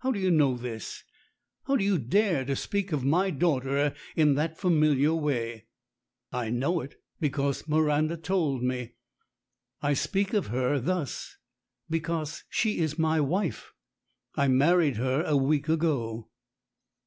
How do you know this ? How do you dare to speak of my daughter in that familiar way?" "I know it because Miranda told me. I speak of her thus because she is my wife. I married her a week ago."